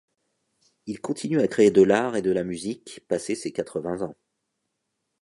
Il continue à créer de l'art et de la musique, passés ses quatre-vingts ans.